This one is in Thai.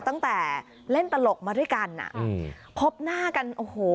ตั้งแต่เล่นตลกมาด้วยกันอ่ะอืมพบหน้ากันโอ้โห